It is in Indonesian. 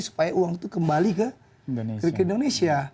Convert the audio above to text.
supaya uang itu kembali ke indonesia